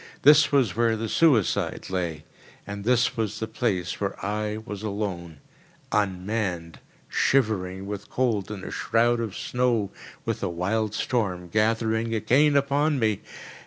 This was where the suicide lay; and this was the place where I was alone—unmanned, shivering with cold in a shroud of snow with a wild storm gathering again upon me!